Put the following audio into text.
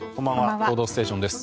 「報道ステーション」です。